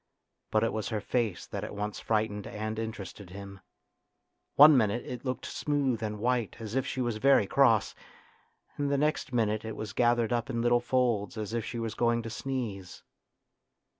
But it was her face that at once frightened and interested him. One minute it looked smooth and white as if she was very cross, and the next minute it was gathered up in little folds as if she was going to sneeze.